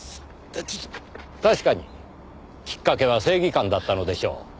確かにきっかけは正義感だったのでしょう。